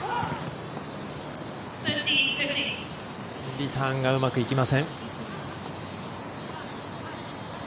リターンがうまくいきません。